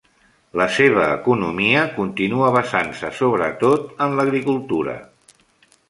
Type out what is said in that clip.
La seva economia continua basant-se, sobre tot, en l'agricultura.